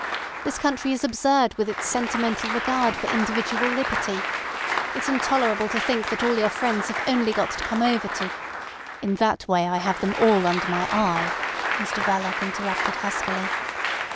This country is absurd with its sentimental regard for individual liberty. It's intolerable to think that all your friends have got only to come over to—" "In that way I have them all under my eye," Mr Verloc interrupted huskily.